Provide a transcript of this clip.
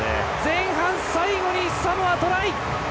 前半最後にサモア、トライ！